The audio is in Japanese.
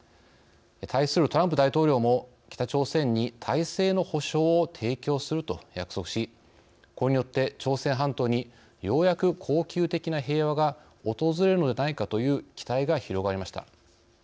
対するトランプ大統領も北朝鮮に体制の保証を提供すると約束しこれによって、朝鮮半島にようやく恒久的な平和が訪れるのではないかという期待が広がりました。